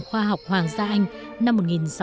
khoa học hoàng gia anh năm một nghìn sáu trăm bảy mươi hai